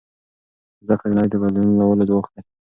زده کړه د نړۍ د بدلولو ځواک دی.